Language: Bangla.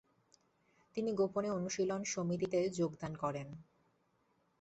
তিনি গোপনে অনুশীলন সমিতিতে যোগদান করেন।